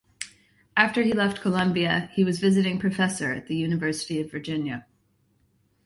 After he left Columbia, he was Visiting Professor at the University of Virginia.